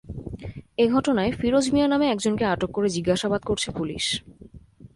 এ ঘটনায় ফিরোজ মিয়া নামে একজনকে আটক করে জিজ্ঞাসাবাদ করছে পুলিশ।